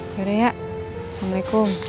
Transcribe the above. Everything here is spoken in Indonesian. yaudah ya assalamualaikum